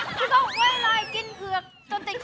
พี่ก๊อบเวลากินเผือกจนติดคอ